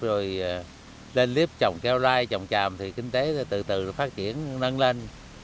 rồi lên lếp trồng keo rai trồng tràm thì kinh tế từ từ phát triển nâng lên